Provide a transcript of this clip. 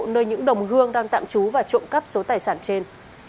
nơi những đồng hương đang tạm trú và trộm cắp số tài sản trên